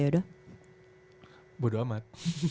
yaudah bodo amat